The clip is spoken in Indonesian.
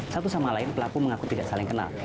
satu sama lain pelaku mengaku tidak saling kenal